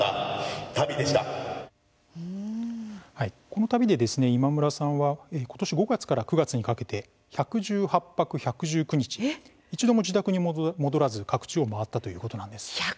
この旅で今村さんは今年５月から９月にかけて１１８泊１１９日一度も自宅に戻らず各地を回ったということなんです。